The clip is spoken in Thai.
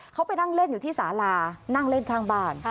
เขาไปนั่งเล่นอยู่ที่สาลานั่งเล่นข้างบ้าน